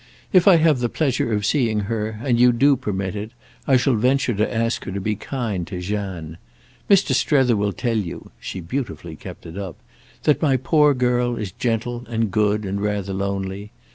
If I have the pleasure of seeing her and you do permit it I shall venture to ask her to be kind to Jeanne. Mr. Strether will tell you"—she beautifully kept it up—"that my poor girl is gentle and good and rather lonely.